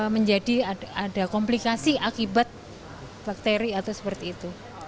menjadi ada komplikasi akibat bakteri atau seperti itu